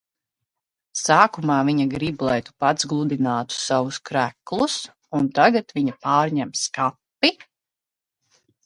Sākumā viņa grib, lai tu pats gludinātu savus kreklus, un tagad viņa pārņem skapi?